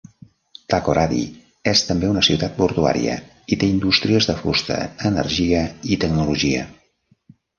Takoradi és també una ciutat portuària i té indústries de fusta, energia i tecnologia.